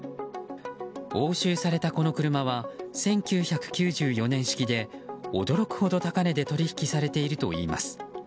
押収されたこの車は１９９４年式で驚くほど高値で取引されているといいます。